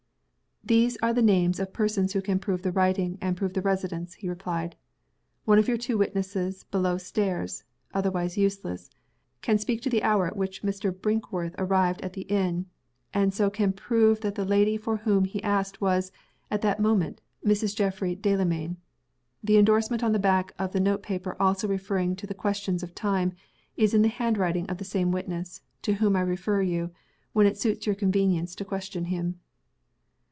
"There are the names of persons who can prove the writing, and prove the residence," he replied. "One of your two witnesses below stairs (otherwise useless) can speak to the hour at which Mr. Brinkworth arrived at the inn, and so can prove that the lady for whom he asked was, at that moment, Mrs. Geoffrey Delamayn. The indorsement on the back of the note paper, also referring to the question of time, is in the handwriting of the same witness to whom I refer you, when it suits your convenience to question him."